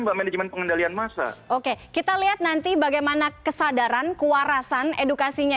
mbak manajemen pengendalian massa oke kita lihat nanti bagaimana kesadaran kewarasan edukasinya